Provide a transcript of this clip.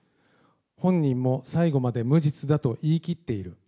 本人も最後まで無実だと言い切っている。